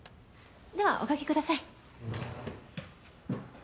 ではおかけください。